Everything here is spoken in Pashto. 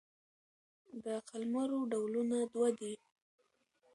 د قلمرو ډولونه دوه دي.